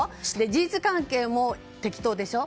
事実関係も適当でしょ。